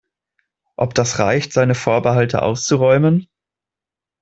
Ob das reicht, seine Vorbehalte auszuräumen?